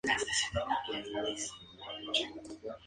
Podría afirmarse que se trata de periodismo científico.